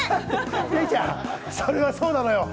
デイちゃん、それはそうなのよ。